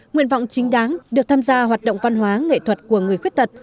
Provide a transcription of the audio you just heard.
nguyện vọng chính đáng được tham gia hoạt động văn hóa nghệ thuật của người khuyết tật